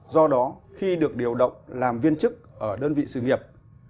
do đó khi được điều động làm viên chức ở đơn vị sự nghiệp